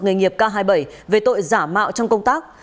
nghề nghiệp k hai mươi bảy về tội giả mạo trong công tác